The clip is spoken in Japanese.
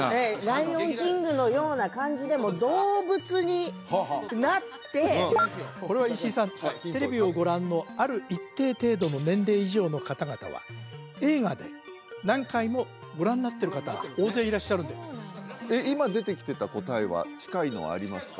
「ライオンキング」のような感じでもう動物になってこれは石井さんテレビをご覧のある一定程度の年齢以上の方々は映画で何回もご覧になってる方大勢いらっしゃるんでえっ今出てきてた答えは近いのはありますか？